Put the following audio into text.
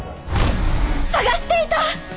探していた！